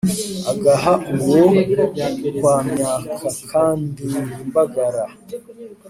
agaha uwó kwa myák akandir imbágara